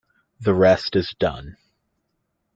The rest is done.